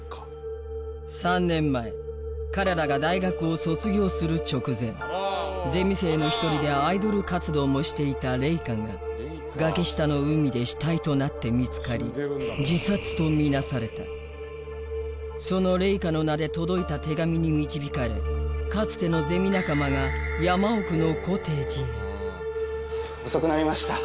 ３年前彼らが大学を卒業する直前ゼミ生の１人でアイドル活動もしていた玲香が崖下の海で死体となって見つかり自殺と見なされたその玲香の名で届いた手紙に導かれかつてのゼミ仲間が遅くなりました。